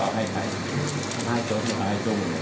เรียบร้อยค่ะตอนไหนวันที่ที่คืน